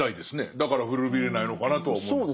だから古びれないのかなとは思いますね。